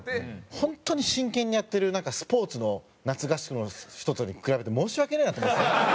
本当に真剣にやってるスポーツの夏合宿の人とかに比べて申し訳ねえなと思ってた。